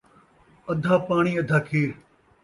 ادھا پاݨی، ادھا کھیر